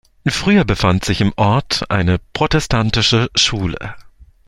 Früher befand sich im Ort eine protestantische Schule.